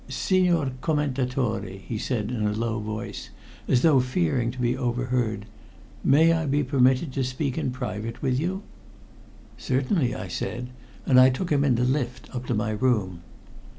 "Signor Commendatore," he said in a low voice, as though fearing to be overheard, "may I be permitted to speak in private with you?" "Certainly," I said, and I took him in the lift up to my room.